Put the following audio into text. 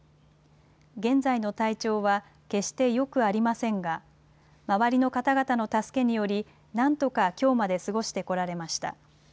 現在の体調は、決してよくありませんが、周りの方々の助けにより、なんとかきょうまで過ごしてこられました。